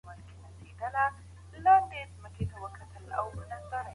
چېري د ډیجیټل حقونو مدافعین شتون لري؟